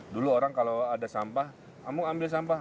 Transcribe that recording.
dulu orang kalau ada sampah kamu ambil sampah